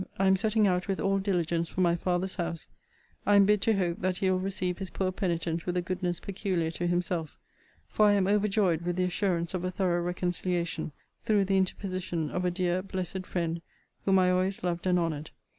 I am setting out with all diligence for my father's house, I am bid to hope that he will receive his poor penitent with a goodness peculiar to himself; for I am overjoyed with the assurance of a thorough reconciliation, through the interposition of a dear, blessed friend, whom I always loved and honoured.